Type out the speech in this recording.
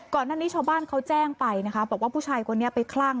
ก่อนหน้านี้ชาวบ้านเขาแจ้งไปนะคะบอกว่าผู้ชายคนนี้ไปคลั่ง